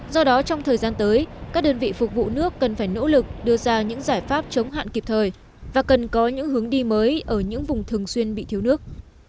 do đó trong thời gian tới các đơn vị phục vụ nước cần phải nỗ lực đưa ra những giải pháp chống hạn kịp thời và cần có những hướng đi mới ở những vùng thường xuyên bị thiếu nước